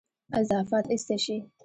اضافات ایسته شي.